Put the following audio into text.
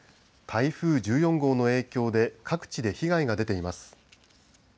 台風１４号の影響で各地で被害が出ています。